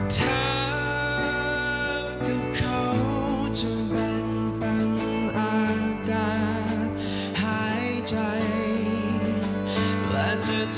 ที่เธอกับเขาไหลมากมาย